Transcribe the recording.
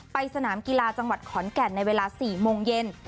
สนามกีฬาจังหวัดขอนแก่นในเวลา๔โมงเย็น